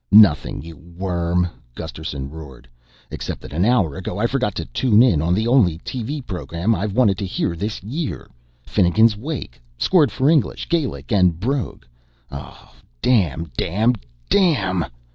"Nothing, you worm!" Gusterson roared, "Except that an hour ago I forgot to tune in on the only TV program I've wanted to hear this year Finnegans Wake scored for English, Gaelic and brogue. Oh, damn damn DAMN!"